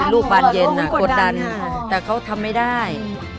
บานเย็นกดดันแต่เขาทำไม่ได้